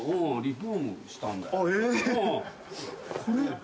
これ。